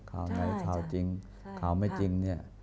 ข่าวไหนข่าวจริงข่าวไม่จริงเนี่ย